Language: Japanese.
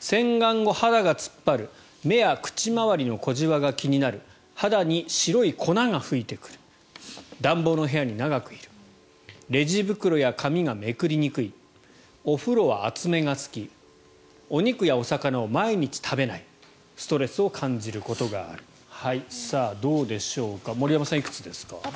洗顔後、肌がつっぱる目や口周りの小ジワが気になる肌に白い粉が吹いてくる暖房の部屋に長くいるレジ袋や紙がめくりにくいお風呂は熱めが好きお肉やお魚を毎日食べないストレスを感じることがあるさあどうでしょうか私、２つでした。